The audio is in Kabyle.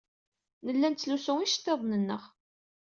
Nella nettlusu iceḍḍiḍen-nneɣ.